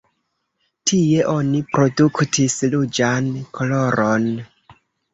Tie oni produktis ruĝan koloron.